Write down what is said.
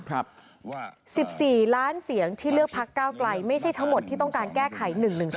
ว่า๑๔ล้านเสียงที่เลือกพักเก้าไกลไม่ใช่ทั้งหมดที่ต้องการแก้ไข๑๑๒